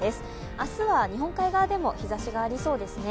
明日は日本海側でも日ざしがありそうですね。